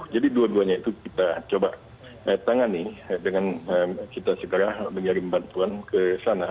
jadi dua duanya itu kita coba tangani dengan kita segera mengirim bantuan ke sana